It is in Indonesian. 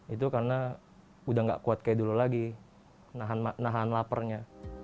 itu karena udah gak kuat kayak dulu lagi nahan laparnya